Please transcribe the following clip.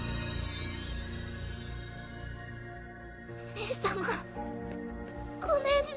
姉様ごめんね。